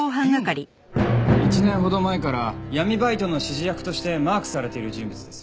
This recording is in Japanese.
１年ほど前から闇バイトの指示役としてマークされている人物です。